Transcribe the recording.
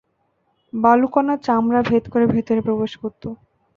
বালুকণা চামড়া ভেদ করে ভেতরে প্রবেশ করত।